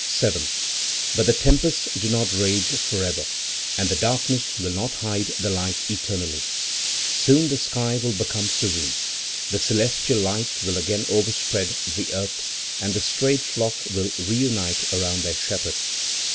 7. "But the tempests do not rage forever and the darkness will not hide the light eternally; soon the sky will become serene, the celestial light will again overspread the earth, and the strayed flock will reunite around their shepherd.